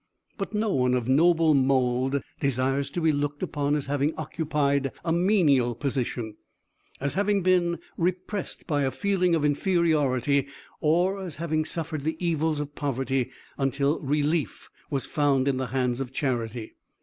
But no one of noble mould desires to be looked upon as having occupied a menial position, as having been repressed by a feeling of inferiority, or as having suffered the evils of poverty until relief was found at the hand of charity.